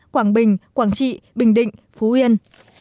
quảng bình quảng trị bình định phú yên